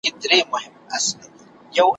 زما پر زړه باندي تل اورې زما یادېږې ,